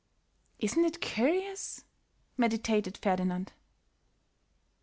"Isn't it curious?" meditated Ferdinand.